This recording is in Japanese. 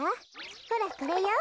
ほらこれよ。